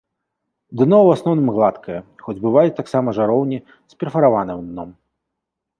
Дно ў асноўным гладкае, хоць бываюць таксама жароўні з перфараваным дном.